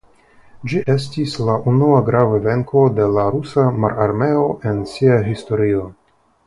Ĝi estis la unua grava venko de la Rusa Mararmeo en sia historio.